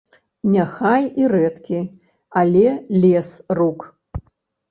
Няхай і рэдкі, але лес рук.